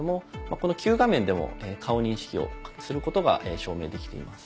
この９画面でも顔認識をすることが証明できています。